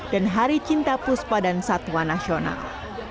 hari cinta puspa dan satwa nasional